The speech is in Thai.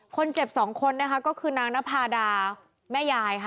คนเจ็บสองคนนะคะก็คือนางนภาดาแม่ยายค่ะ